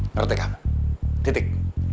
ngerti kamu titik